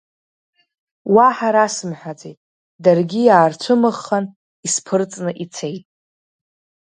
Уаҳа расымҳәаӡеит, даргьы иаарцәымыӷхан, исԥырҵны ицеит.